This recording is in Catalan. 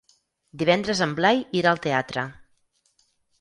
Divendres en Blai irà al teatre.